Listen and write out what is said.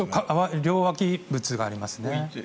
両脇仏がありますね。